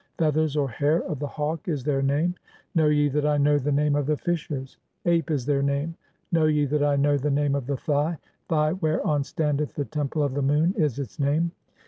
'Feathers (or hair) of 'the Hawk' [is their name]. Know ye (9) that I know the name 'of the fishers? 'Ape' [is their name]. Know ye (10) that I know 'the name of the Thigh ? ['Thigh] whereon standeth the Temple 'of the Moon' is its name.